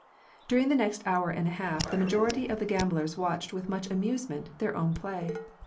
During the next hour and a half, the majority of the gam blers watched with much amusement their own play.